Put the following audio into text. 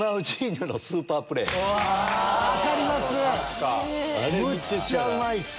分かります！